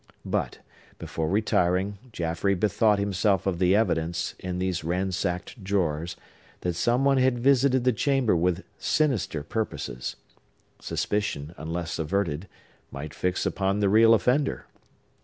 But before retiring, Jaffrey bethought himself of the evidence, in these ransacked drawers, that some one had visited the chamber with sinister purposes. Suspicion, unless averted, might fix upon the real offender.